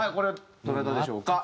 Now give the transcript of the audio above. どなたでしょうか？